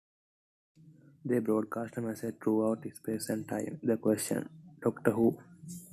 They broadcast a message throughout space and time, the question Doctor Who?